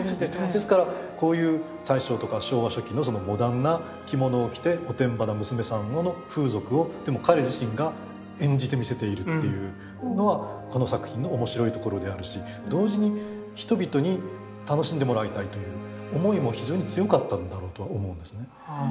ですからこういう大正とか昭和初期のそのモダンな着物を着ておてんばな娘さんの風俗をでも彼自身が演じて見せているというのはこの作品の面白いところであるし同時に人々に楽しんでもらいたいという思いも非常に強かったんだろうと思うんですね。